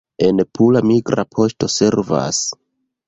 En Pula migra poŝto servas.